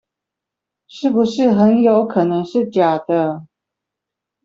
是不是很有可能是假的